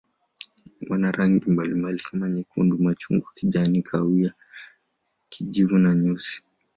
Wana rangi mbalimbali kama nyekundu, machungwa, kijani, kahawia, kijivu na nyeusi.